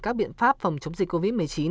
các biện pháp phòng chống dịch covid một mươi chín